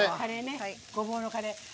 ごぼうのカレー。